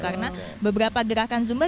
karena beberapa gerakan zumba